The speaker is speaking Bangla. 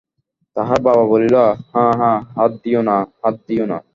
তাহার বাবা বলিল, হা হা হাত দিয়ো না হাত দিয়ো না।